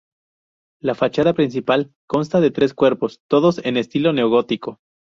La fachada principal consta de tres cuerpos, todos en estilo neogótico.